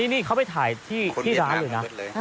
นี่เขาไปถ่ายที่ร้านเลยนะ